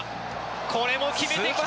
これも決めてきた！